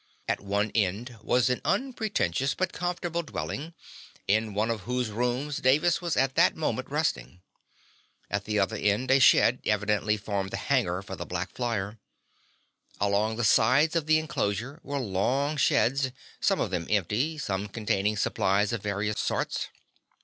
At one end was an unpretentious but comfortable dwelling, in one of whose rooms Davis was at that moment resting. At the other end a shed evidently formed the hangar for the black flyer. Along the sides of the inclosure were long sheds, some of them empty, some containing supplies of various sorts.